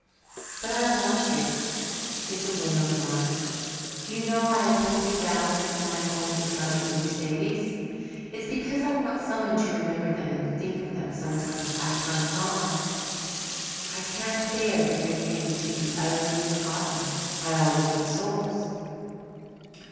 "But I want to. It's a whim of mine. Do you know why I told you of Alice and why I'm going to tell you of Mercedes? It's because I want someone to remember them and think of them sometimes after I'm gone. I can't bear that their names should be utterly forgotten by all living souls.